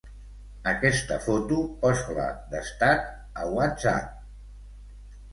Aquesta foto, posa-la d'estat a Whatsapp.